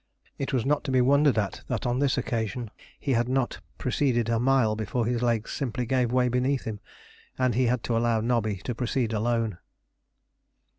It was not to be wondered at that on this occasion he had not proceeded a mile before his legs simply gave way beneath him, and he had to allow Nobby to proceed alone.